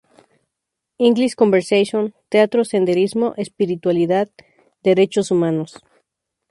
English conversation, Teatro, Senderismo, Espiritualidad, Derechos Humanos.